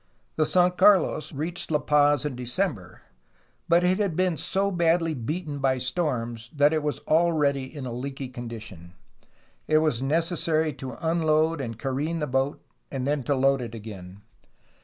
The San Carlos reached La Paz in December, but it had been so badly beaten by storms that it was already in a leaky condition. It was necessary to unload and careen the boat and then to load it again.